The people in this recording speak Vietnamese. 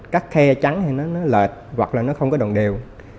các khe trắng thì nó lệt hoặc là nó không có đòn đều